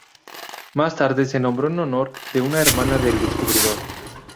Más tarde, se nombró en honor de una hermana del descubridor.